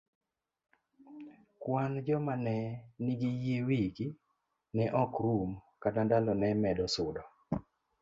Kwan joma ne nigi yie wigi ne ok rum kata ndalo ne medo sudo.